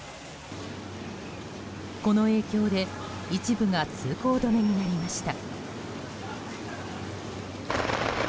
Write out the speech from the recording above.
この影響で一部が通行止めになりました。